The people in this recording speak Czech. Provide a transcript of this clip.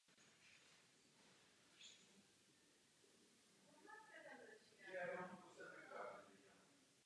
Později studoval zeměpis a historii v Praze a Vídni.